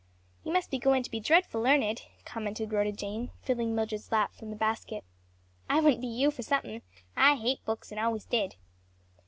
"You must be goin' to be dreadful learned," commented Rhoda Jane, filling Mildred's lap from the basket, "I wouldn't be you for something. I hate books and always did."